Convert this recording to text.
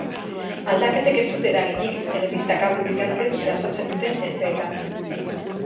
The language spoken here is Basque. Aldaketek ez dute eraginik telebista kable bitartez jasotzen duten etxeetan.